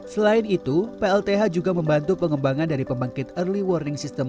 selain itu plth juga membantu pengembangan dari pembangkit early warning system